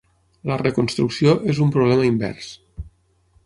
La "reconstrucció" és un problema invers.